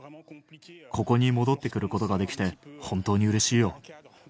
ここに戻ってくることができて、本当にうれしいよ。